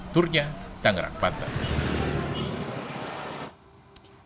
turnya tangerang pantai